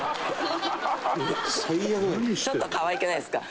「ちょっと可愛くないですか？」